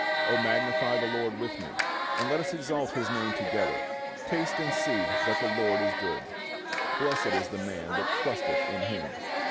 "O magnify the LORD with me, and let us exalt His Name together. ... Taste and see that the LORD is good: blessed is the man that trusteth in Him.